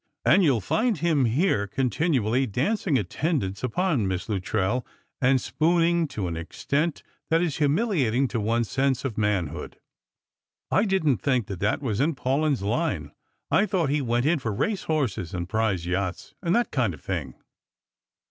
And you'll find him here continually, dancing attendance upon Miss Luttrell, and spoon ing to an extent that is humiliating to one's sense of manhood." " I didn't think that was in Paulyn's line; I thought he went in for race horses and prize yachts, and tliat kind of thing."